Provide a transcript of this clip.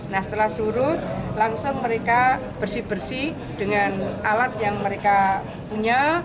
nah setelah surut langsung mereka bersih bersih dengan alat yang mereka punya